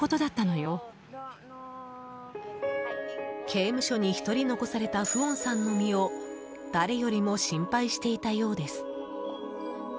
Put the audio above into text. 刑務所に１人残されたフオンさんの身を誰よりも心配していたようです。